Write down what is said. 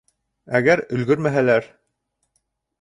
— Әгәр өлгөрмәһәләр...